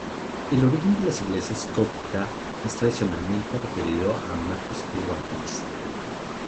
El origen de la Iglesia copta es tradicionalmente referido a Marcos el Evangelista.